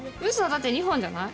だって２本じゃない？